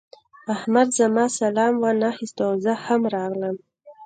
احمد زما سلام وانخيست او زه هم راغلم.